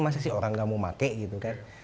masa sih orang nggak mau pakai gitu kan